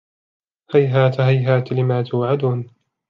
هَيْهَاتَ هَيْهَاتَ لِمَا تُوعَدُونَ